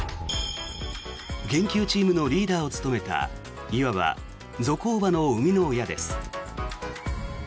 研究チームのリーダーを務めたいわばゾコーバの生みの親です。